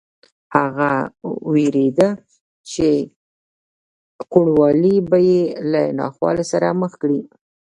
هغه وېرېده چې کوڼوالی به یې له ناخوالې سره مخ کړي